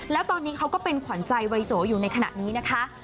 แล้วตอนนี้เขาก็เป็นขวัญใจวัยโจอยู่ในขณะนี้นะคะ